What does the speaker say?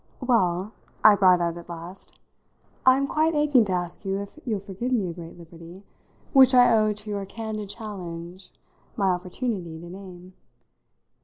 "Well," I brought out at last, "I'm quite aching to ask you if you'll forgive me a great liberty, which I owe to your candid challenge my opportunity to name.